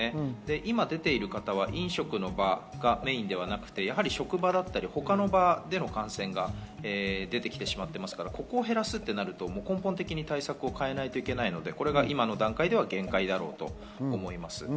今出ている方は飲食の場がメインではなくて、職場や他の場での感染が出てきてしまっていますからここを減らすとなると根本的な対策を変えなきゃいけないので今の段階では限界だろうと思います。